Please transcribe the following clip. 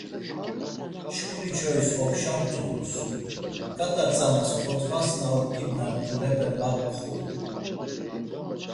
Şǩuni çois opşa mtums, ǩat̆a tzanas otfas na oǩibğen mturepe ma pxum.